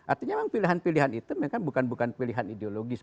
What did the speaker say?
artinya memang pilihan pilihan itu memang bukan pilihan ideologis